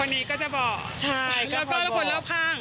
คนนี้ก็จะบอกแล้วก็คนเราข้าง